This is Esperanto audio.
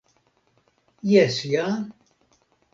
Jes, ja?